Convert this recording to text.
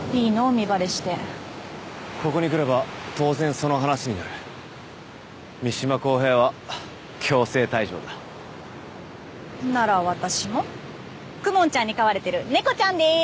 身バレしてここに来れば当然その話になる三島公平は強制退場だなら私も公文ちゃんに飼われてる猫ちゃんです